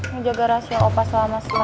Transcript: menjaga rasio opa selama selama